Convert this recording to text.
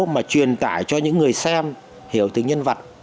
mà truyền tải cho những người xem hiểu từ nhân vật